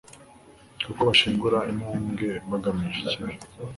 kuko bashingura intambwe bagamije ikibi